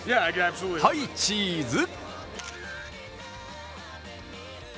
はい、チーズ。